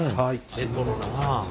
レトロなあ。